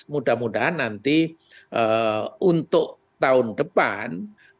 mudah mudahan nanti untuk tahun depan